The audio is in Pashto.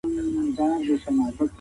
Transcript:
تاسو د سیاست په اړه خپله موضوع وټاکئ.